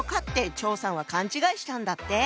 張さんは勘違いしたんだって。